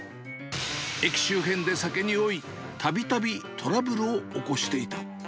駅周辺で酒に酔い、たびたびトラブルを起こしていた。